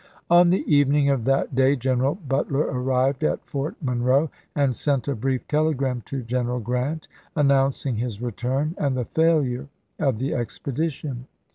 On the evening of that day General Butler ar rived at Fort Monroe and sent a brief telegram to General Grant announcing his return and the failure of the expedition.